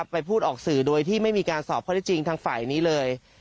ไปพูดออกสื่อโดยที่ไม่มีการสอบข้อได้จริงทางฝ่ายนี้เลย